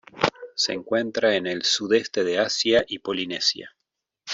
Se encuentra en el Sudeste de Asia y Polinesia.